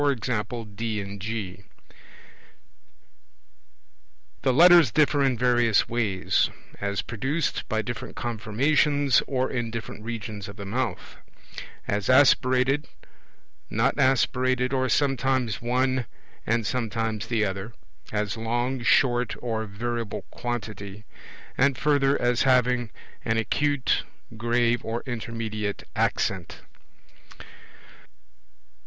D and G. The Letters differ in various ways: as produced by different conformations or in different regions of the mouth; as aspirated, not aspirated, or sometimes one and sometimes the other; as long, short, or of variable quantity; and further as having an acute grave, or intermediate accent.